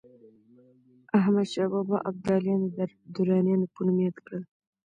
احمدشاه بابا ابداليان د درانیانو په نوم ياد کړل.